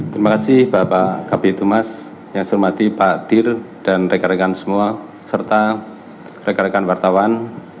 terima kasih bapak kabupaten mas yang sermati pak dir dan rekan rekan semua serta rekan rekan wartawan